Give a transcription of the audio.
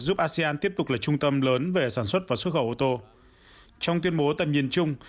giúp asean tiếp tục là trung tâm lớn về sản xuất và xuất khẩu ô tô trong tuyên bố tầm nhìn chung